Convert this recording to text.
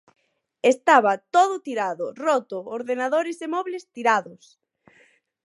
Estaba todo tirado, roto, ordenadores e mobles tirados.